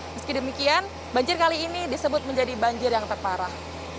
meski demikian banjir kali ini disebut menjadi banjir yang terparah